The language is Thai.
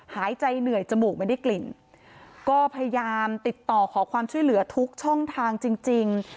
หายใจเหนื่อยจมูกไม่ได้กลิ่นก็พยายามติดต่อขอความช่วยเหลือทุกช่องทางจริงจริง